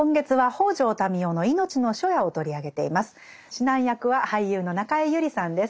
指南役は俳優の中江有里さんです。